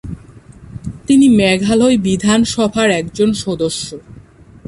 তিনি মেঘালয় বিধানসভার একজন সদস্য।